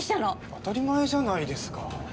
当たり前じゃないですか。